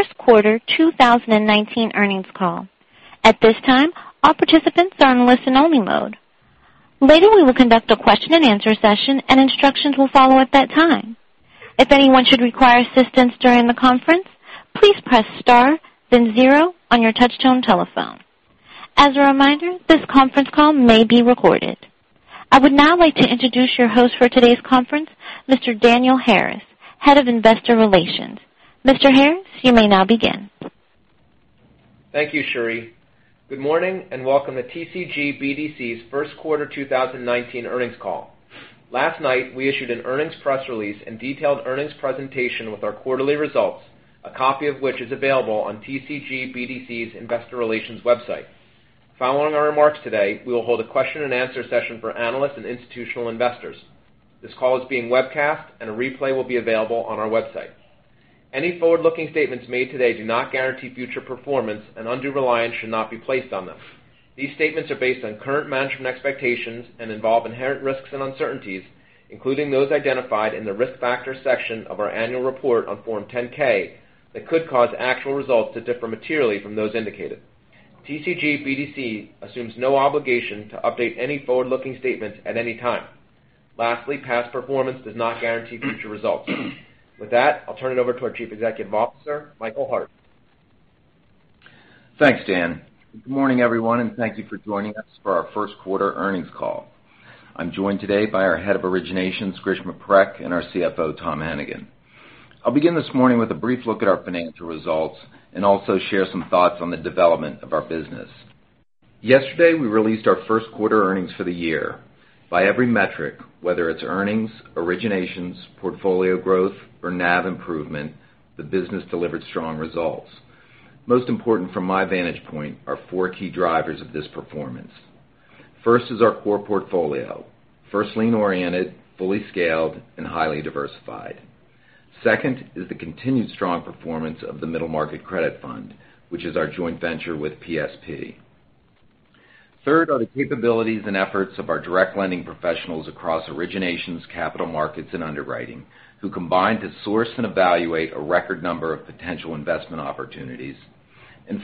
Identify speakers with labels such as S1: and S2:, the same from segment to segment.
S1: First Quarter 2019 earnings call. At this time, all participants are in listen only mode. Later, we will conduct a question and answer session, and instructions will follow at that time. If anyone should require assistance during the conference, please press star then zero on your touchtone telephone. As a reminder, this conference call may be recorded. I would now like to introduce your host for today's conference, Mr. Daniel Harris, Head of Investor Relations. Mr. Harris, you may now begin.
S2: Thank you, Cherie. Good morning and welcome to TCG BDC's First Quarter 2019 earnings call. Last night, we issued an earnings press release and detailed earnings presentation with our quarterly results, a copy of which is available on TCG BDC's Investor Relations website. Following our remarks today, we will hold a question and answer session for analysts and institutional investors. This call is being webcast, and a replay will be available on our website. Any forward-looking statements made today do not guarantee future performance, and undue reliance should not be placed on them. These statements are based on current management expectations and involve inherent risks and uncertainties, including those identified in the Risk Factors section of our annual report on Form 10-K, that could cause actual results to differ materially from those indicated. TCG BDC assumes no obligation to update any forward-looking statements at any time. Lastly, past performance does not guarantee future results. With that, I'll turn it over to our Chief Executive Officer, Michael Hart.
S3: Thanks, Dan. Good morning, everyone, and thank you for joining us for our first quarter earnings call. I'm joined today by our Head of Originations, Grishma Parekh, and our CFO, Tom Hennigan. I'll begin this morning with a brief look at our financial results and also share some thoughts on the development of our business. Yesterday, we released our first quarter earnings for the year. By every metric, whether it's earnings, originations, portfolio growth, or NAV improvement, the business delivered strong results. Most important from my vantage point are four key drivers of this performance. First is our core portfolio, first lien oriented, fully scaled, and highly diversified. Second is the continued strong performance of the middle market credit fund, which is our joint venture with PSP. Third are the capabilities and efforts of our direct lending professionals across originations, capital markets, and underwriting, who combined to source and evaluate a record number of potential investment opportunities.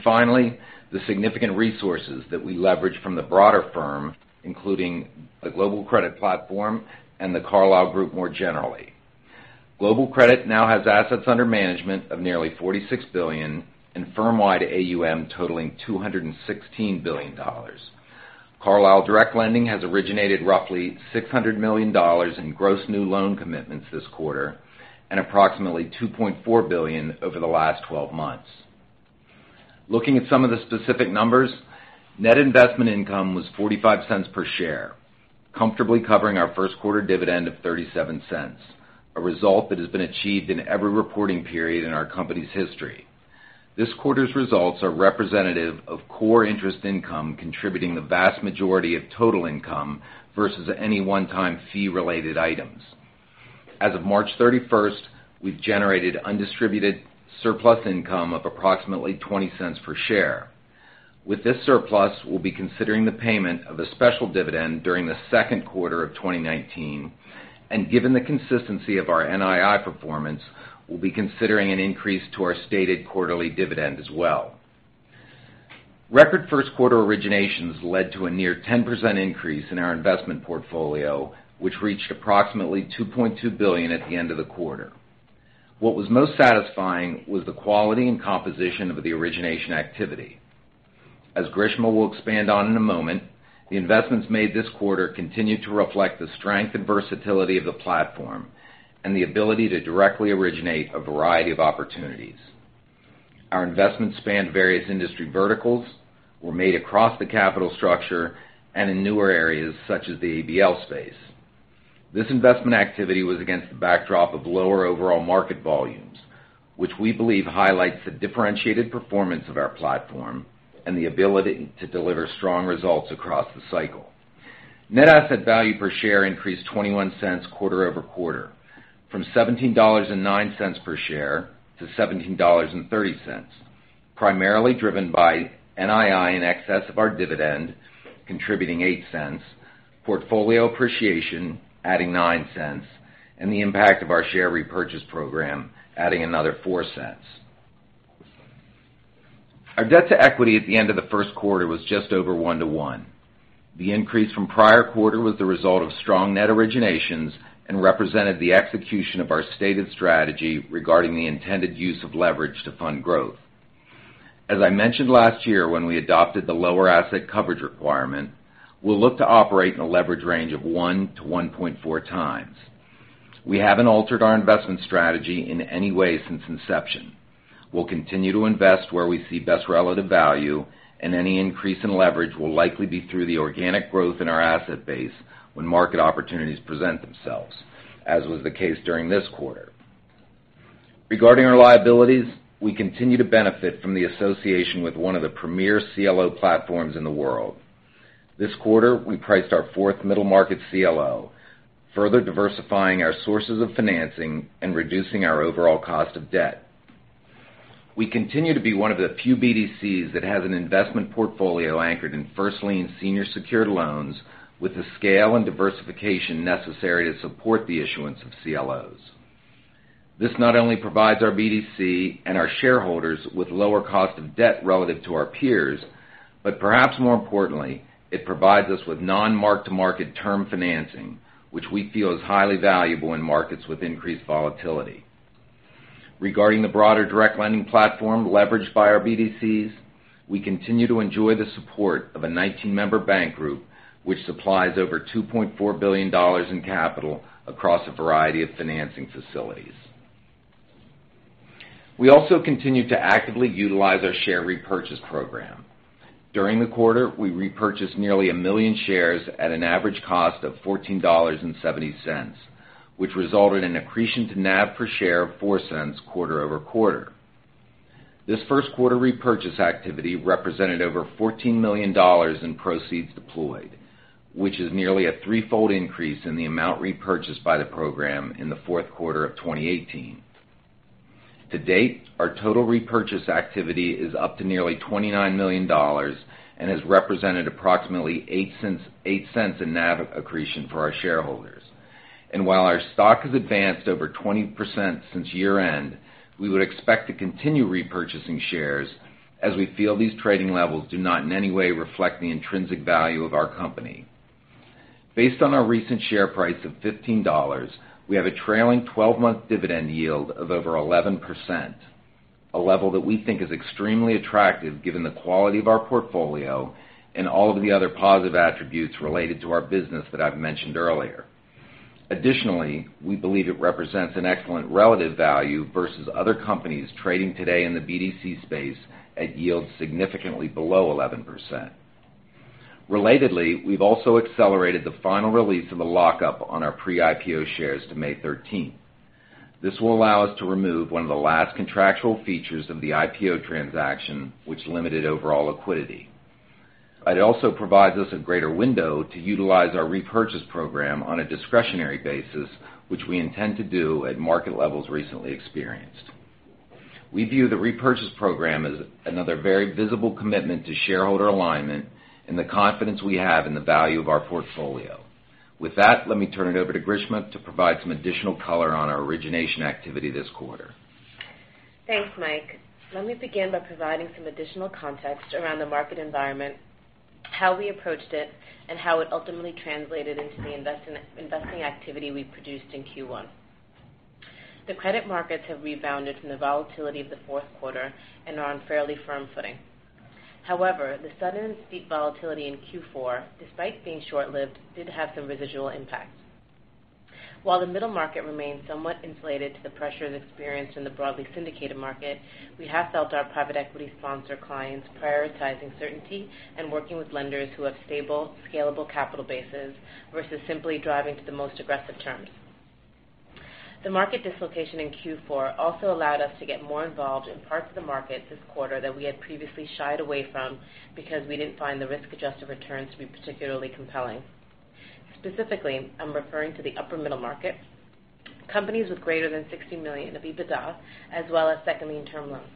S3: Finally, the significant resources that we leverage from the broader firm, including the global credit platform and The Carlyle Group more generally. Global credit now has assets under management of nearly $46 billion and firmwide AUM totaling $216 billion. Carlyle Direct Lending has originated roughly $600 million in gross new loan commitments this quarter and approximately $2.4 billion over the last 12 months. Looking at some of the specific numbers, net investment income was $0.45 per share, comfortably covering our first quarter dividend of $0.37, a result that has been achieved in every reporting period in our company's history. This quarter's results are representative of core interest income contributing the vast majority of total income versus any one-time fee-related items. As of March 31st, we've generated undistributed surplus income of approximately $0.20 per share. With this surplus, we'll be considering the payment of a special dividend during the second quarter of 2019, given the consistency of our NII performance, we'll be considering an increase to our stated quarterly dividend as well. Record first quarter originations led to a near 10% increase in our investment portfolio, which reached approximately $2.2 billion at the end of the quarter. What was most satisfying was the quality and composition of the origination activity. As Grishma will expand on in a moment, the investments made this quarter continue to reflect the strength and versatility of the platform and the ability to directly originate a variety of opportunities. Our investments spanned various industry verticals, were made across the capital structure, and in newer areas such as the ABL space. This investment activity was against the backdrop of lower overall market volumes, which we believe highlights the differentiated performance of our platform and the ability to deliver strong results across the cycle. Net asset value per share increased $0.21 quarter-over-quarter, from $17.09 per share to $17.30, primarily driven by NII in excess of our dividend contributing $0.08, portfolio appreciation adding $0.09, the impact of our share repurchase program adding another $0.04. Our debt-to-equity at the end of the first quarter was just over 1 to 1. The increase from prior quarter was the result of strong net originations and represented the execution of our stated strategy regarding the intended use of leverage to fund growth. As I mentioned last year when we adopted the lower asset coverage requirement, we'll look to operate in a leverage range of 1 to 1.4 times. We haven't altered our investment strategy in any way since inception. We'll continue to invest where we see best relative value, any increase in leverage will likely be through the organic growth in our asset base when market opportunities present themselves, as was the case during this quarter. Regarding our liabilities, we continue to benefit from the association with one of the premier CLO platforms in the world. This quarter, we priced our fourth middle market CLO, further diversifying our sources of financing and reducing our overall cost of debt. We continue to be one of the few BDCs that has an investment portfolio anchored in first lien senior secured loans with the scale and diversification necessary to support the issuance of CLOs. This not only provides our BDC and our shareholders with lower cost of debt relative to our peers, but perhaps more importantly, it provides us with non-mark-to-market term financing, which we feel is highly valuable in markets with increased volatility. Regarding the broader direct lending platform leveraged by our BDCs, we continue to enjoy the support of a 19-member bank group, which supplies over $2.4 billion in capital across a variety of financing facilities. We also continue to actively utilize our share repurchase program. During the quarter, we repurchased nearly a million shares at an average cost of $14.70, which resulted in accretion to NAV per share of $0.04 quarter-over-quarter. This first quarter repurchase activity represented over $14 million in proceeds deployed, which is nearly a threefold increase in the amount repurchased by the program in the fourth quarter of 2018. To date, our total repurchase activity is up to nearly $29 million and has represented approximately $0.08 in NAV accretion for our shareholders. While our stock has advanced over 20% since year-end, we would expect to continue repurchasing shares as we feel these trading levels do not in any way reflect the intrinsic value of our company. Based on our recent share price of $15, we have a trailing 12-month dividend yield of over 11%, a level that we think is extremely attractive given the quality of our portfolio and all of the other positive attributes related to our business that I've mentioned earlier. Additionally, we believe it represents an excellent relative value versus other companies trading today in the BDC space at yields significantly below 11%. Relatedly, we've also accelerated the final release of the lock-up on our pre-IPO shares to May 13th. This will allow us to remove one of the last contractual features of the IPO transaction, which limited overall liquidity. It also provides us a greater window to utilize our repurchase program on a discretionary basis, which we intend to do at market levels recently experienced. We view the repurchase program as another very visible commitment to shareholder alignment and the confidence we have in the value of our portfolio. With that, let me turn it over to Grishma to provide some additional color on our origination activity this quarter.
S4: Thanks, Mike. Let me begin by providing some additional context around the market environment, how we approached it, and how it ultimately translated into the investing activity we produced in Q1. The credit markets have rebounded from the volatility of the fourth quarter and are on fairly firm footing. However, the sudden steep volatility in Q4, despite being short-lived, did have some residual impact. While the middle market remains somewhat insulated to the pressures experienced in the broadly syndicated market, we have felt our private equity sponsor clients prioritizing certainty and working with lenders who have stable, scalable capital bases versus simply driving to the most aggressive terms. The market dislocation in Q4 also allowed us to get more involved in parts of the market this quarter that we had previously shied away from because we didn't find the risk-adjusted returns to be particularly compelling. Specifically, I am referring to the upper middle market, companies with greater than $60 million of EBITDA, as well as second lien term loans.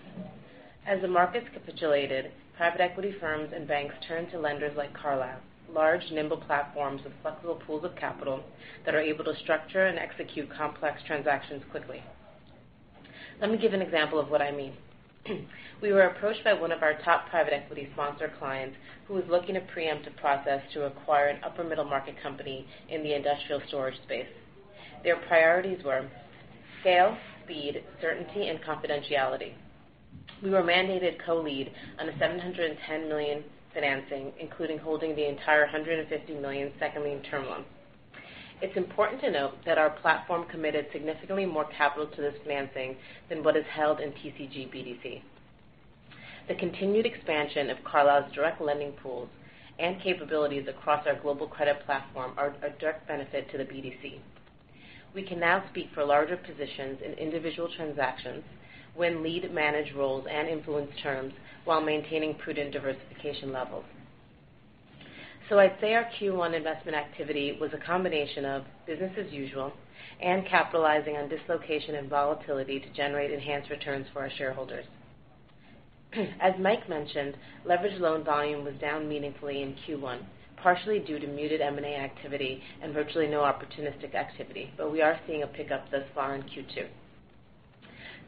S4: As the markets capitulated, private equity firms and banks turned to lenders like Carlyle's, large, nimble platforms with flexible pools of capital that are able to structure and execute complex transactions quickly. Let me give an example of what I mean. We were approached by one of our top private equity sponsor clients who was looking to preempt a process to acquire an upper middle market company in the industrial storage space. Their priorities were scale, speed, certainty, and confidentiality. We were mandated co-lead on the $710 million financing, including holding the entire $150 million second lien term loan. It is important to note that our platform committed significantly more capital to this financing than what is held in TCG BDC. The continued expansion of Carlyle's direct lending pools and capabilities across our global credit platform are a direct benefit to the BDC. We can now speak for larger positions in individual transactions, win lead manage roles, and influence terms while maintaining prudent diversification levels. I would say our Q1 investment activity was a combination of business as usual and capitalizing on dislocation and volatility to generate enhanced returns for our shareholders. As Mike mentioned, leveraged loan volume was down meaningfully in Q1, partially due to muted M&A activity and virtually no opportunistic activity. But we are seeing a pickup thus far in Q2.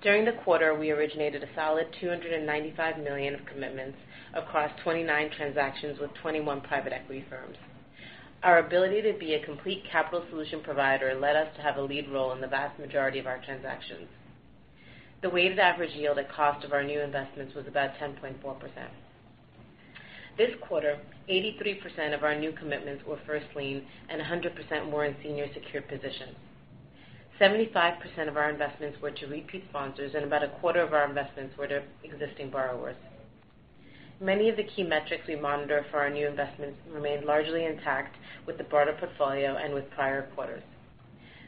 S4: During the quarter, we originated a solid $295 million of commitments across 29 transactions with 21 private equity firms. Our ability to be a complete capital solution provider led us to have a lead role in the vast majority of our transactions. The weighted average yield at cost of our new investments was about 10.4%. This quarter, 83% of our new commitments were first lien and 100% were in senior secured positions. 75% of our investments were to repeat sponsors and about a quarter of our investments were to existing borrowers. Many of the key metrics we monitor for our new investments remained largely intact with the broader portfolio and with prior quarters.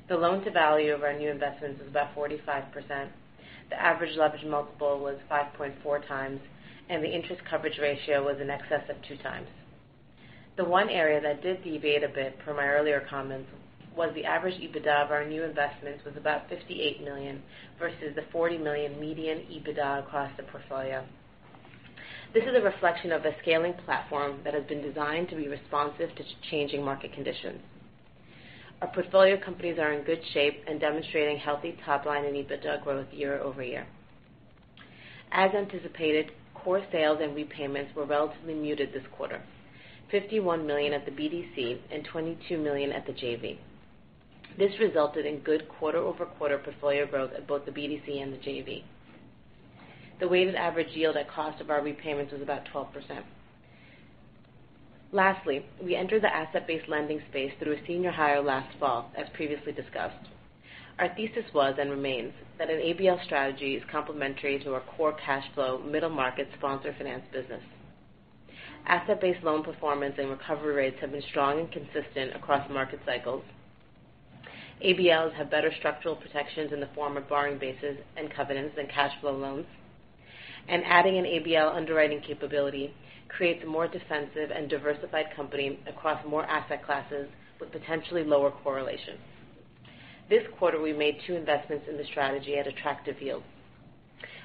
S4: The loan to value of our new investments was about 45%, the average leverage multiple was 5.4 times, and the interest coverage ratio was in excess of 2 times. The one area that did deviate a bit from my earlier comments was the average EBITDA of our new investments was about $58 million versus the $40 million median EBITDA across the portfolio. This is a reflection of a scaling platform that has been designed to be responsive to changing market conditions. Our portfolio companies are in good shape and demonstrating healthy top-line and EBITDA growth year-over-year. As anticipated, core sales and repayments were relatively muted this quarter, $51 million at the BDC and $22 million at the JV. This resulted in good quarter-over-quarter portfolio growth at both the BDC and the JV. The weighted average yield at cost of our repayments was about 12%. Lastly, we entered the asset-based lending space through a senior hire last fall, as previously discussed. Our thesis was, and remains, that an ABL strategy is complementary to our core cash flow middle market sponsor finance business. Asset-based loan performance and recovery rates have been strong and consistent across market cycles. ABLs have better structural protections in the form of borrowing bases and covenants than cash flow loans. Adding an ABL underwriting capability creates a more defensive and diversified company across more asset classes with potentially lower correlation. This quarter, we made two investments in this strategy at attractive yields.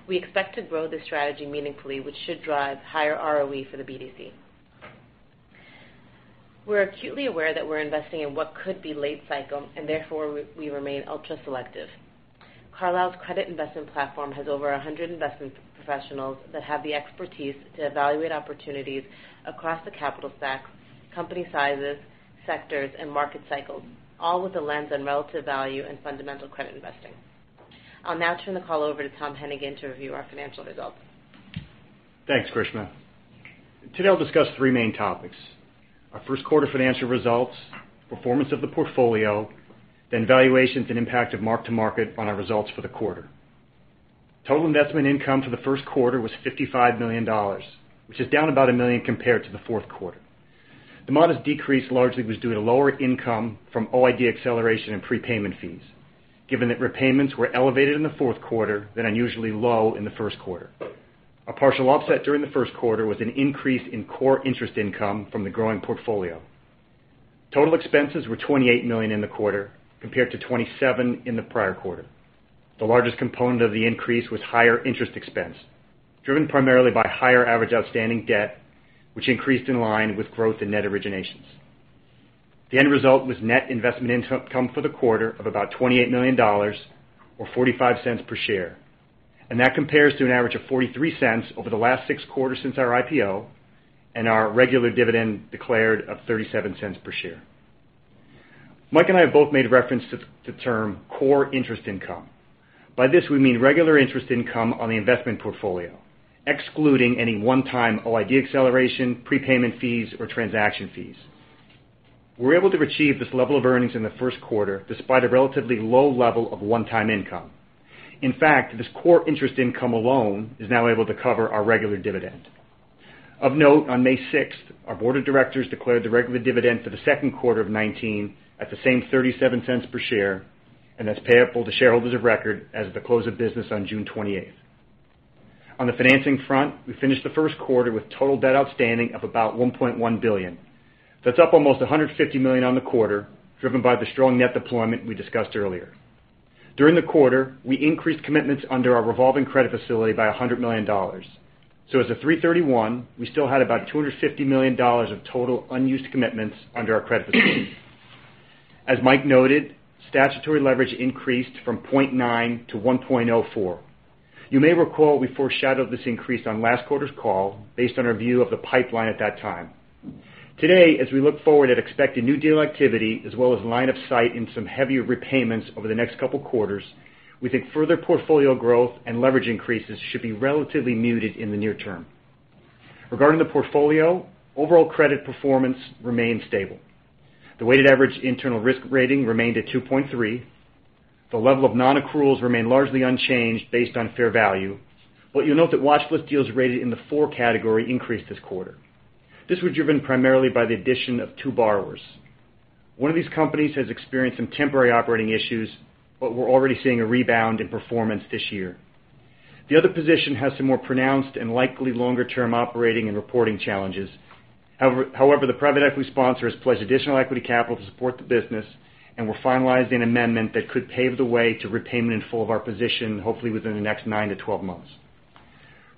S4: We expect to grow this strategy meaningfully, which should drive higher ROE for the BDC. We are acutely aware that we are investing in what could be late cycle and therefore we remain ultra-selective. Carlyle's credit investment platform has over 100 investment professionals that have the expertise to evaluate opportunities across the capital stacks, company sizes, sectors, and market cycles, all with a lens on relative value and fundamental credit investing. I will now turn the call over to Tom Hennigan to review our financial results.
S5: Thanks, Grishma. Today I will discuss three main topics: our first quarter financial results, performance of the portfolio, then valuations and impact of mark-to-market on our results for the quarter. Total investment income for the first quarter was $55 million, which is down about $1 million compared to the fourth quarter. The modest decrease largely was due to lower income from OID acceleration and prepayment fees, given that repayments were elevated in the fourth quarter, then unusually low in the first quarter. A partial offset during the first quarter was an increase in core interest income from the growing portfolio. Total expenses were $28 million in the quarter, compared to $27 million in the prior quarter. The largest component of the increase was higher interest expense, driven primarily by higher average outstanding debt, which increased in line with growth in net originations. The end result was net investment income for the quarter of about $28 million, or $0.45 per share, and that compares to an average of $0.43 over the last six quarters since our IPO and our regular dividend declared of $0.37 per share. Mike and I have both made reference to the term core interest income. By this we mean regular interest income on the investment portfolio, excluding any one-time OID acceleration, prepayment fees, or transaction fees. We were able to achieve this level of earnings in the first quarter despite a relatively low level of one-time income. In fact, this core interest income alone is now able to cover our regular dividend. Of note, on May 6th, our board of directors declared the regular dividend for the second quarter of 2019 at the same $0.37 per share, and that's payable to shareholders of record as of the close of business on June 28th. On the financing front, we finished the first quarter with total debt outstanding of about $1.1 billion. That's up almost $150 million on the quarter, driven by the strong net deployment we discussed earlier. During the quarter, we increased commitments under our revolving credit facility by $100 million. As of 3/31, we still had about $250 million of total unused commitments under our credit facility. As Mike noted, statutory leverage increased from 0.9 to 1.04. You may recall we foreshadowed this increase on last quarter's call based on our view of the pipeline at that time. Today, as we look forward at expected new deal activity, as well as line of sight in some heavier repayments over the next couple quarters, we think further portfolio growth and leverage increases should be relatively muted in the near term. Regarding the portfolio, overall credit performance remained stable. The weighted average internal risk rating remained at 2.3. The level of non-accruals remained largely unchanged based on fair value, but you'll note that watchlist deals rated in the 4 category increased this quarter. This was driven primarily by the addition of two borrowers. One of these companies has experienced some temporary operating issues, but we're already seeing a rebound in performance this year. The other position has some more pronounced and likely longer-term operating and reporting challenges. However, the private equity sponsor has pledged additional equity capital to support the business and we're finalizing an amendment that could pave the way to repayment in full of our position, hopefully within the next nine to 12 months.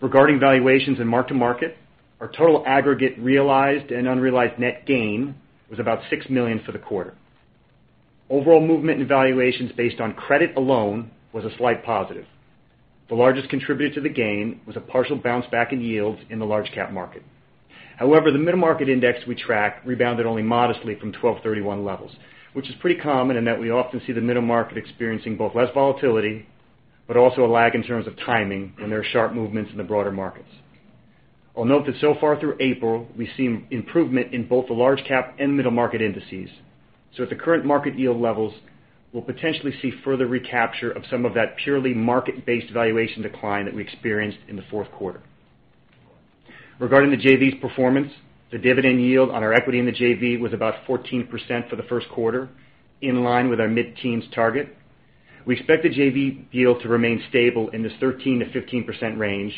S5: Regarding valuations and mark-to-market, our total aggregate realized and unrealized net gain was about $6 million for the quarter. Overall movement in valuations based on credit alone was a slight positive. The largest contributor to the gain was a partial bounce back in yields in the large cap market. However, the middle market index we track rebounded only modestly from 1,231 levels, which is pretty common in that we often see the middle market experiencing both less volatility, but also a lag in terms of timing when there are sharp movements in the broader markets. I'll note that so far through April, we've seen improvement in both the large cap and middle market indices. At the current market yield levels, we'll potentially see further recapture of some of that purely market-based valuation decline that we experienced in the fourth quarter. Regarding the JV's performance, the dividend yield on our equity in the JV was about 14% for the first quarter, in line with our mid-teens target. We expect the JV yield to remain stable in this 13%-15% range,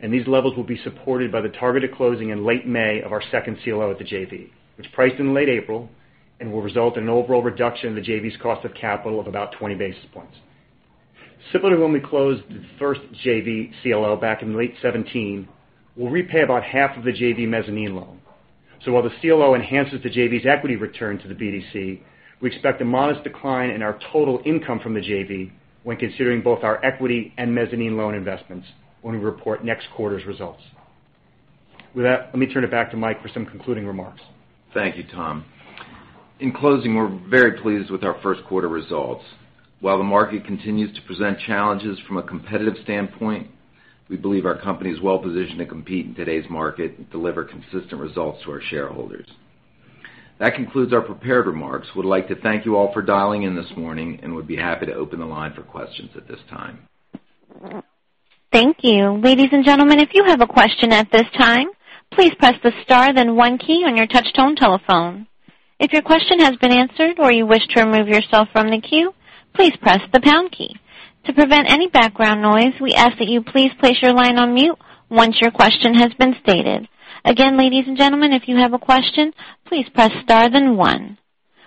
S5: and these levels will be supported by the targeted closing in late May of our second CLO at the JV, which priced in late April and will result in an overall reduction in the JV's cost of capital of about 20 basis points. Similarly to when we closed the first JV CLO back in late 2017, we'll repay about half of the JV mezzanine loan. While the CLO enhances the JV's equity return to the BDC, we expect a modest decline in our total income from the JV when considering both our equity and mezzanine loan investments when we report next quarter's results. With that, let me turn it back to Mike for some concluding remarks.
S3: Thank you, Tom. In closing, we're very pleased with our first quarter results. While the market continues to present challenges from a competitive standpoint, we believe our company is well positioned to compete in today's market and deliver consistent results to our shareholders. That concludes our prepared remarks. We would like to thank you all for dialing in this morning and would be happy to open the line for questions at this time.
S1: Thank you. Ladies and gentlemen, if you have a question at this time, please press the star then one key on your touch tone telephone. If your question has been answered or you wish to remove yourself from the queue, please press the pound key. To prevent any background noise, we ask that you please place your line on mute once your question has been stated. Again, ladies and gentlemen, if you have a question, please press star then one.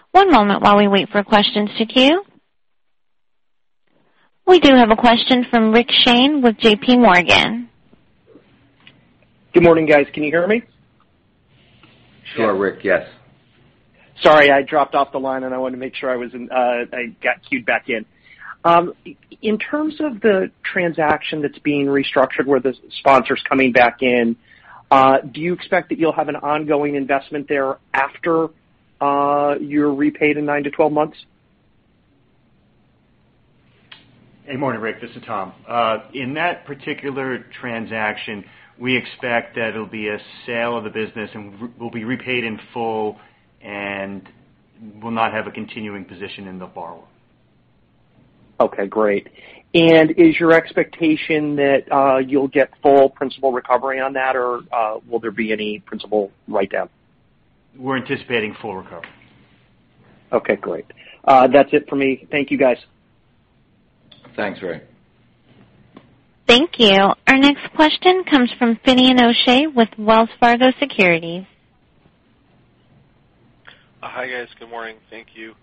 S1: One moment while we wait for questions to queue. We do have a question from Richard Shane with JPMorgan.
S6: Good morning, guys. Can you hear me?
S3: Sure, Rick. Yes.
S6: Sorry, I dropped off the line, and I wanted to make sure I got queued back in. In terms of the transaction that's being restructured where the sponsor's coming back in, do you expect that you'll have an ongoing investment there after you're repaid in 9-12 months?
S5: Hey, morning, Rick. This is Tom. In that particular transaction, we expect that it'll be a sale of the business, and we'll be repaid in full and will not have a continuing position in the borrower.
S6: Okay, great. Is your expectation that you'll get full principal recovery on that, or will there be any principal write-down?
S5: We're anticipating full recovery.
S6: Okay, great. That's it for me. Thank you, guys.
S3: Thanks, Rick.
S1: Thank you. Our next question comes from Finian O'Shea with Wells Fargo Securities.
S7: Hi, guys. Good morning. Thank you.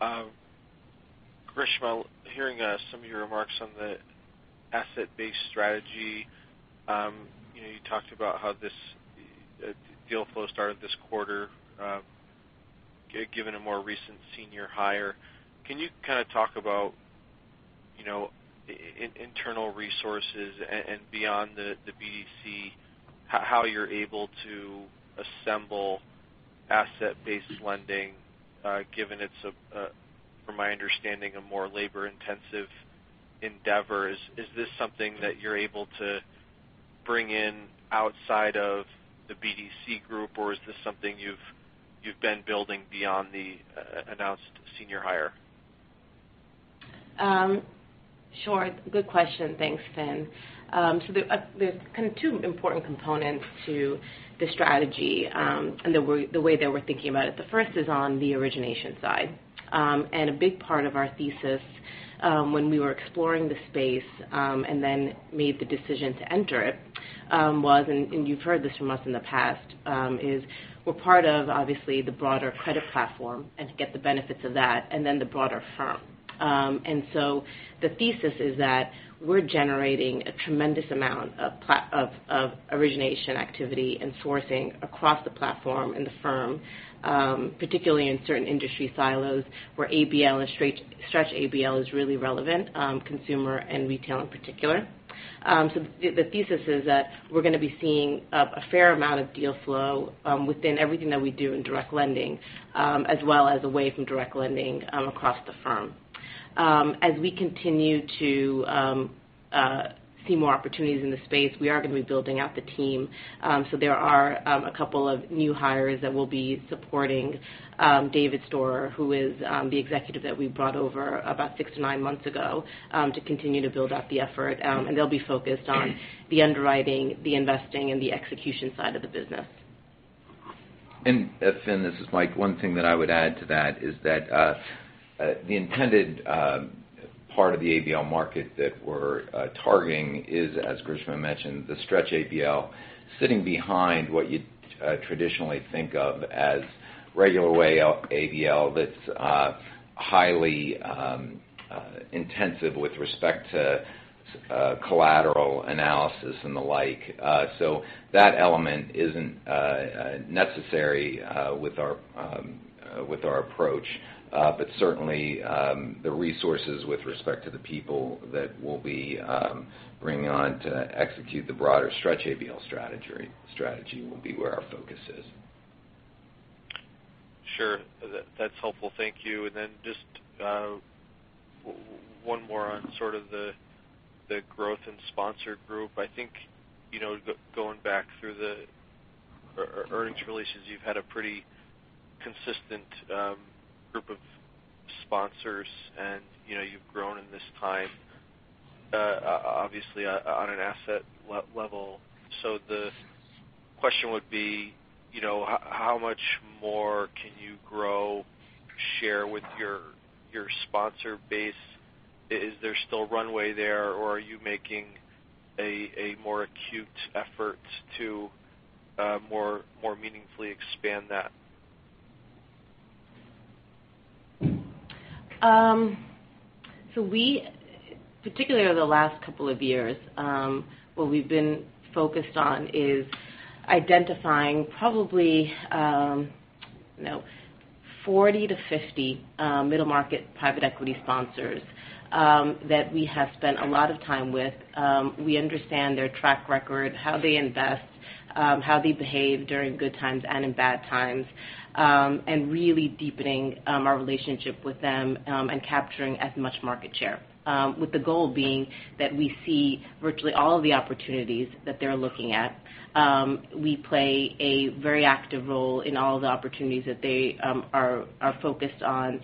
S7: Grishma, hearing some of your remarks on the asset-based strategy. You talked about how this deal flow started this quarter. Given a more recent senior hire, can you kind of talk about internal resources and beyond the BDC, how you're able to assemble asset-based lending, given it's, from my understanding, a more labor-intensive endeavor? Is this something that you're able to bring in outside of the BDC group, or is this something you've been building beyond the announced senior hire?
S4: Sure. Good question. Thanks, Finn. There's kind of two important components to the strategy, and the way that we're thinking about it. The first is on the origination side. A big part of our thesis, when we were exploring the space, then made the decision to enter it, was, you've heard this from us in the past, is we're part of, obviously, the broader credit platform to get the benefits of that, the broader firm. The thesis is that we're generating a tremendous amount of origination activity and sourcing across the platform and the firm, particularly in certain industry silos where ABL and stretch ABL is really relevant, consumer and retail in particular. The thesis is that we're going to be seeing a fair amount of deal flow within everything that we do in direct lending, as well as away from direct lending across the firm. As we continue to see more opportunities in the space, we are going to be building out the team. There are a couple of new hires that will be supporting David Storer, who is the executive that we brought over about six to nine months ago to continue to build out the effort. They'll be focused on the underwriting, the investing, and the execution side of the business.
S3: Finn, this is Mike. One thing that I would add to that is that the intended part of the ABL market that we're targeting is, as Grishma mentioned, the stretch ABL sitting behind what you traditionally think of as regular way up ABL that's highly intensive with respect to collateral analysis and the like. That element isn't necessary with our approach. Certainly, the resources with respect to the people that we'll be bringing on to execute the broader stretch ABL strategy will be where our focus is.
S7: Sure. That's helpful. Thank you. Just one more on sort of the growth and sponsor group. I think going back through the earnings releases, you've had a pretty consistent group of sponsors, and you've grown in this time, obviously, on an asset level. The question would be how much more can you grow share with your sponsor base? Is there still runway there, or are you making a more acute effort to more meaningfully expand that?
S4: We, particularly over the last couple of years, what we've been focused on is identifying probably, 40 to 50 middle-market private equity sponsors that we have spent a lot of time with. We understand their track record, how they invest, how they behave during good times and in bad times, and really deepening our relationship with them, and capturing as much market share, with the goal being that we see virtually all of the opportunities that they're looking at. We play a very active role in all the opportunities that they are focused on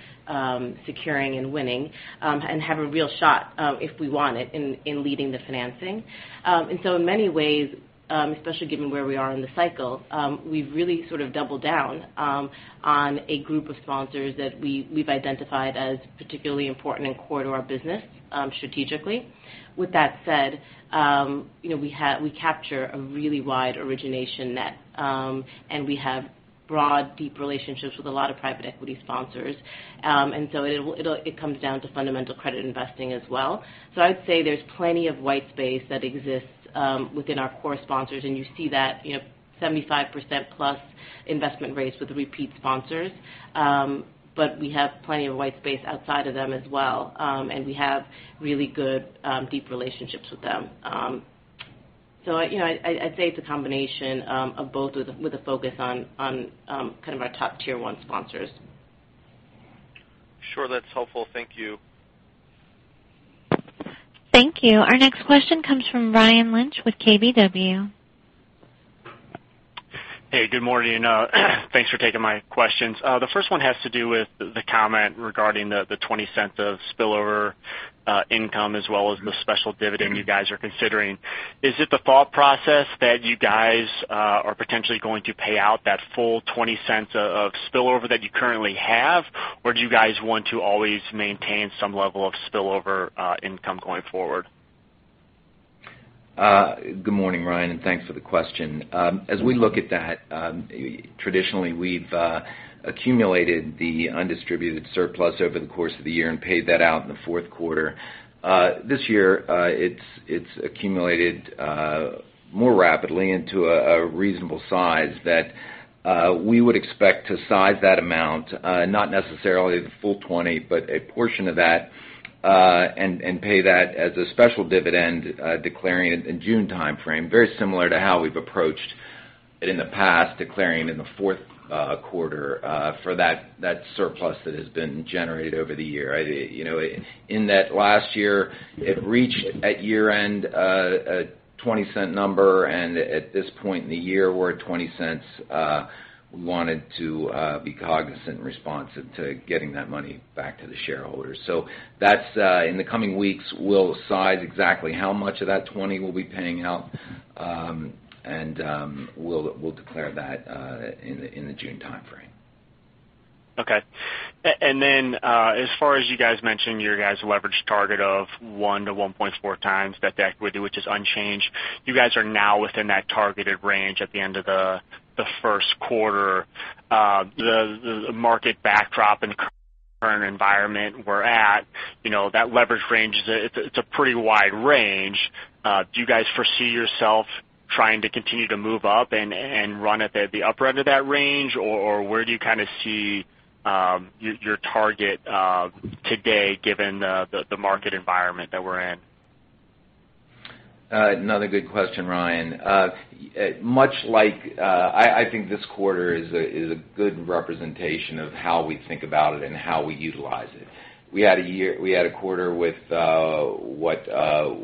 S4: securing and winning, and have a real shot, if we want it, in leading the financing. In many ways, especially given where we are in the cycle, we've really sort of doubled down on a group of sponsors that we've identified as particularly important and core to our business, strategically. With that said, we capture a really wide origination net, and we have broad, deep relationships with a lot of private equity sponsors. It comes down to fundamental credit investing as well. I'd say there's plenty of white space that exists within our core sponsors, and you see that 75%-plus investment rates with repeat sponsors. We have plenty of white space outside of them as well. We have really good, deep relationships with them. I'd say it's a combination of both with a focus on kind of our top tier 1 sponsors.
S7: Sure. That's helpful. Thank you.
S1: Thank you. Our next question comes from Ryan Lynch with KBW.
S8: Hey, good morning. Thanks for taking my questions. The first one has to do with the comment regarding the $0.20 of spillover income as well as the special dividend you guys are considering. Is it the thought process that you guys are potentially going to pay out that full $0.20 of spillover that you currently have, or do you guys want to always maintain some level of spillover income going forward?
S3: Good morning, Ryan. Thanks for the question. As we look at that, traditionally we've accumulated the undistributed surplus over the course of the year and paid that out in the fourth quarter. This year, it's accumulated more rapidly into a reasonable size that we would expect to size that amount, not necessarily the full $0.20, but a portion of that, and pay that as a special dividend, declaring it in June timeframe. Very similar to how we've approached it in the past, declaring it in the fourth quarter, for that surplus that has been generated over the year. In that last year, it reached at year-end, a $0.20 number, and at this point in the year, we're at $0.20. We wanted to be cognizant and responsive to getting that money back to the shareholders. In the coming weeks, we'll size exactly how much of that $0.20 we'll be paying out, and we'll declare that in the June timeframe.
S8: Okay. As far as you guys mentioning your guys' leverage target of 1-1.4 times debt to equity, which is unchanged, you guys are now within that targeted range at the end of the first quarter. The market backdrop and current environment we're at, that leverage range, it's a pretty wide range. Do you guys foresee yourself trying to continue to move up and run at the upper end of that range? Or where do you kind of see your target today given the market environment that we're in?
S3: Another good question, Ryan. I think this quarter is a good representation of how we think about it and how we utilize it. We had a quarter with what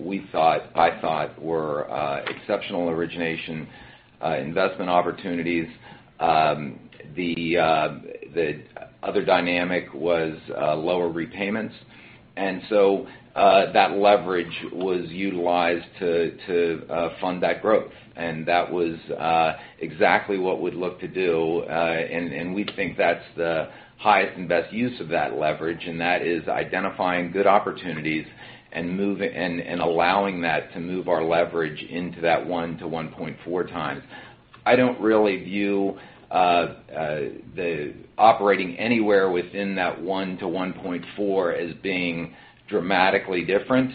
S3: we thought, I thought, were exceptional origination investment opportunities. The other dynamic was lower repayments. That leverage was utilized to fund that growth, and that was exactly what we'd look to do. We think that's the highest and best use of that leverage, and that is identifying good opportunities and allowing that to move our leverage into that 1-1.4 times. I don't really view operating anywhere within that 1-1.4 as being dramatically different.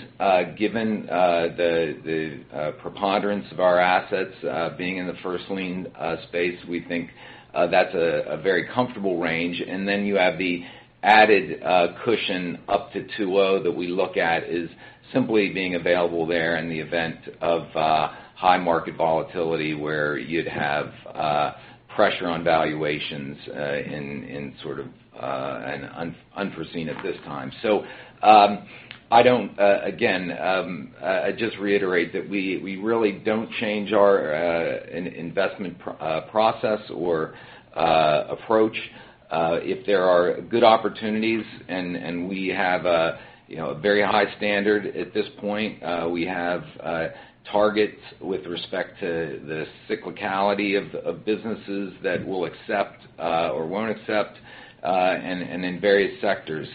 S3: Given the preponderance of our assets being in the first lien space, we think that's a very comfortable range. You have the added cushion up to 2.0 that we look at as simply being available there in the event of high market volatility where you'd have pressure on valuations and sort of unforeseen at this time. Again, I'd just reiterate that we really don't change our investment process or approach. If there are good opportunities and we have a very high standard at this point, we have targets with respect to the cyclicality of businesses that we'll accept or won't accept, and in various sectors.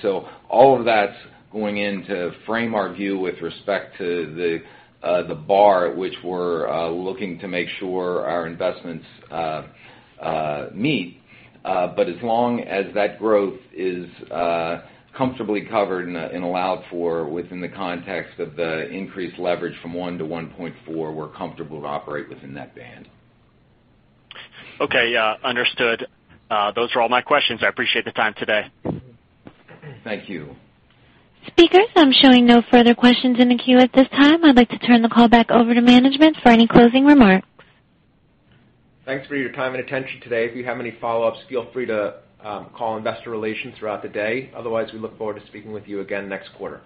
S3: All of that's going in to frame our view with respect to the bar at which we're looking to make sure our investments meet. As long as that growth is comfortably covered and allowed for within the context of the increased leverage from 1-1.4, we're comfortable to operate within that band.
S8: Okay. Yeah. Understood. Those are all my questions. I appreciate the time today.
S3: Thank you.
S1: Speakers, I'm showing no further questions in the queue at this time. I'd like to turn the call back over to management for any closing remarks.
S2: Thanks for your time and attention today. If you have any follow-ups, feel free to call investor relations throughout the day. Otherwise, we look forward to speaking with you again next quarter.